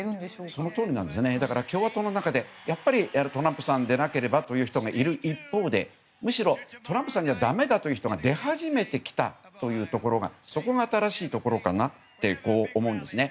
実は共和党の中でやっぱりトランプさんでなければという人がいる一方でむしろトランプさんではだめだという人が出始めてきたというところが新しいところかなと思うんですね。